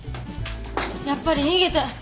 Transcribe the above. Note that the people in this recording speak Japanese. やっぱり逃げて。